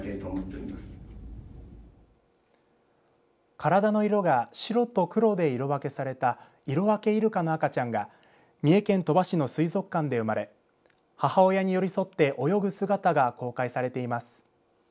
体の色が白と黒で色分けされたイロワケイルカの赤ちゃんが三重県鳥羽市の水族館で生まれ母親に寄り添って泳ぐ姿が公開されています。